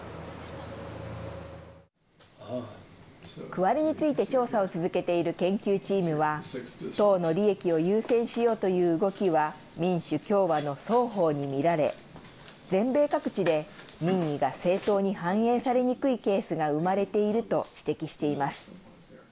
区割りについて調査を続けている研究チームは党の利益を優先しようという動きは民主・共和の双方に見られ全米各地で民意が正当に反映されにくいケースが生まれていると指摘しています。